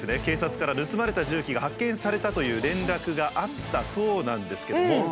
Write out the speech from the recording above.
警察から盗まれた重機が発見されたという連絡があったそうなんですけども。